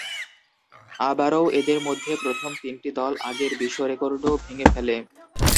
আবার এদের মধ্যে প্রথম তিনটি দল আগের বিশ্ব রেকর্ডও ভেঙে ফেলে।